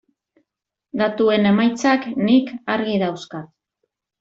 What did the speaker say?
Datuen emaitzak nik argi dauzkat.